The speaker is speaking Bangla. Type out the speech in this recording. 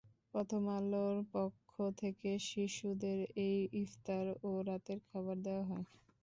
প্রথম আলোর পক্ষ থেকে শিশুদের এই ইফতার ও রাতের খাবার দেওয়া হয়।